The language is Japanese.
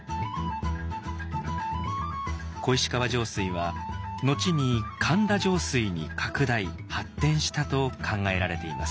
小石川上水は後に「神田上水」に拡大・発展したと考えられています。